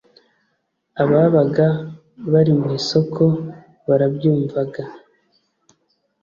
ababaga bari mu isoko barabyumvaga